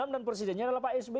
dan presidennya adalah pak sby